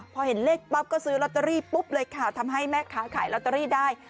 พอเห็นเลขปั๊บก็ซื้อลอตเตอรี่ปุ๊บเลยค่ะทำให้แม่ค้าขายลอตเตอรี่ได้